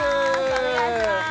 お願いします